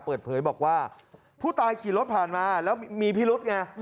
เปิดเผยบอกว่าผู้ตายขี่รถผ่านมาแล้วมีพิรุธไง